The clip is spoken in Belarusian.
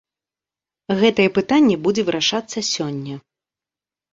Гэтае пытанне будзе вырашацца сёння.